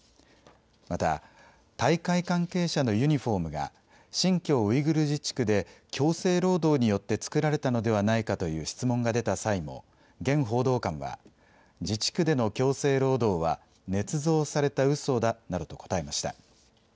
また、大会関係者のユニホームが、新疆ウイグル自治区で強制労働によって作られたのではないかという質問が出た際も、厳報道官は、自治区での強制労働はねつ造されたうそだなどと答えました。